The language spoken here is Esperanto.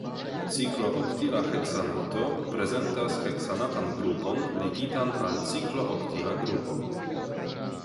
Ciklooktila heksanato prezentas heksanatan grupon ligitan al ciklooktila grupo.